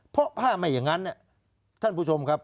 เพราะถ้าไม่อย่างนั้นท่านผู้ชมครับ